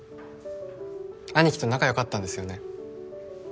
兄貴と仲よかったんですよね？